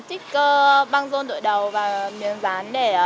để chuẩn bị cho sự cổ vũ thầy trò huấn luyện viên bắc hàng sơ